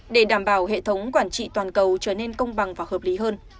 để đảm bảo hệ thống quản trị toàn cầu trở nên công bằng và hợp lý hơn